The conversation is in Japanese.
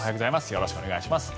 よろしくお願いします。